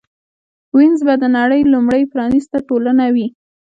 وینز به د نړۍ لومړۍ پرانېسته ټولنه وي